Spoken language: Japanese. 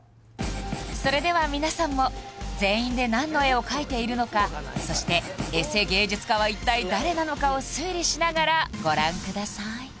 それでは皆さんも全員で何の絵を描いているのかそしてエセ芸術家は一体誰なのかを推理しながらご覧ください